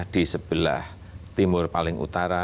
di sebelah timur paling utara